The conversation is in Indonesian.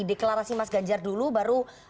deklarasi mas ganjar dulu baru bisa ada